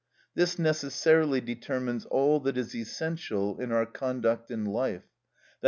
This necessarily determines all that is essential in our conduct in life, _i.